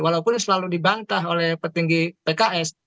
walaupun selalu dibantah oleh petinggi pks